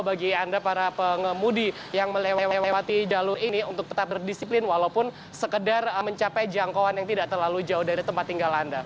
bagi anda para pengemudi yang melewati jalur ini untuk tetap berdisiplin walaupun sekedar mencapai jangkauan yang tidak terlalu jauh dari tempat tinggal anda